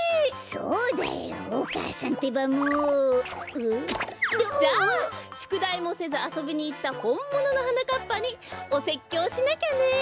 そうだよお母さんってばもう！ん？じゃあしゅくだいもせずあそびにいったほんもののはなかっぱにおせっきょうしなきゃねえ！